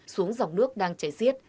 xuống dòng nước đang chảy xiết